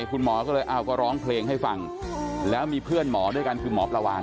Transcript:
คุณหมอก็เลยเอาก็ร้องเพลงให้ฟังแล้วมีเพื่อนหมอด้วยกันคือหมอปลาวาน